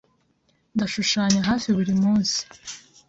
Ndashushanya hafi buri munsi.